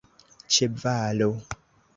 ĉevalo